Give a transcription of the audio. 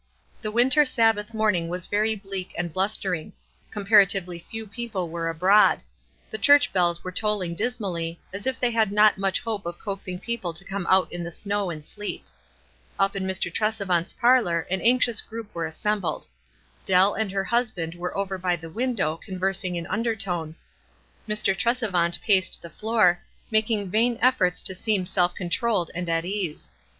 The winter Sabbath morn ing was very bleak and blustering; compara tively few people were abroad ; the church bells were tolling dismally, as if they had not much hope of coaxing people to come out in the snow and sleet. Up in Mr. Tresevant's parlor an anxious group were assembled. Dell and her husband were over by the window conversing in undertone. Mr. Tresevant paced the floor, making vain efforts to seem self controlled and at ease.